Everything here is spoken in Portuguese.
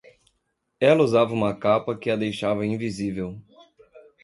Ela usava uma capa que a deixava invisível